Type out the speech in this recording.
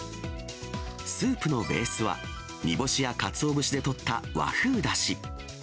スープのベースは煮干しやカツオ節でとった和風だし。